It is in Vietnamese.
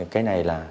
cái này là